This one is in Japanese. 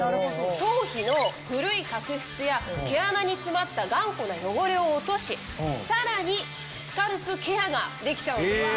頭皮の古い角質や毛穴に詰まった頑固な汚れを落としさらにスカルプケアができちゃう。